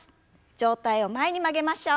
上体を前に曲げましょう。